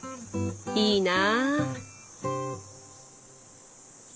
いいな。